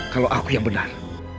kalau aku yang benar